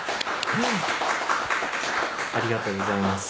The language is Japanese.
ありがとうございます。